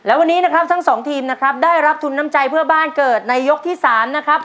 และวันนี้นะครับทั้งสองทีมนะครับได้รับทุนน้ำใจเพื่อบ้านเกิดในยกที่๓นะครับ